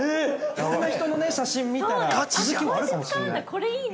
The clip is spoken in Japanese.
◆いろんな人の写真見たら気づきもあるかもしれない。